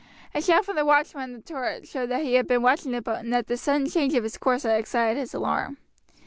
A shout from the watchman on the turret showed that he had been watching the boat and that this sudden change of its course had excited his alarm.